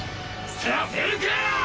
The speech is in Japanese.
・させるか！